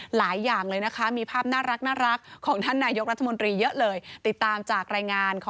หลายอย่างมีภาพน่ารัก